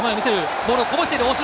ボールをこぼしている大城！